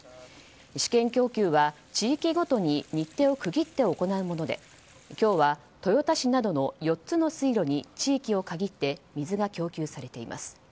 試験供給は地域ごとに日程を区切って行うもので今日は豊田市などの４つの水路に地域を限って水が供給されています。